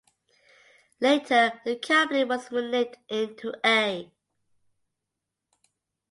Later the company was renamed into ‘A.